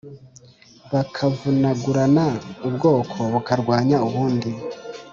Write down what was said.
Bakavunagurana ubwoko bukarwanya ubundi